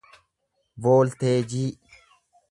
voolteejii